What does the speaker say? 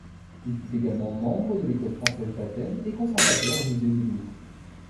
Il fut également membre de l'École française d'Athènes et conservateur au musée du Louvre.